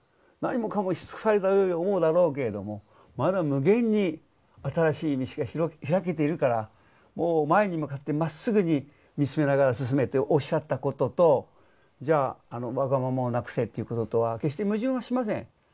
何もかもし尽くされたように思うだろうけれどもまだ無限に新しい道が開けているから前に向かってまっすぐに見つめながら進めっておっしゃったこととじゃあわがままをなくせということとは決して矛盾はしません。